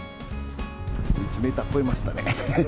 １メートル超えましたね。